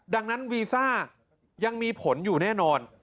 ดังนั้นวีซ่ายังมีผลอยู่แน่นอน